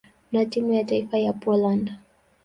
na timu ya taifa ya Poland.